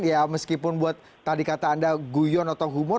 ya meskipun buat tadi kata anda guyon atau humor